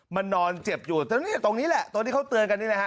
มันนอนเจ็บอยู่ตรงนี้ตรงนี้แหละตรงที่เขาเตือนกันนี่แหละฮะ